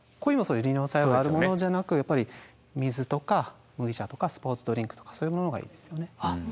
利尿作用があるものじゃなくやっぱり水とか麦茶とかスポーツドリンクとかそういうものがいいですよね。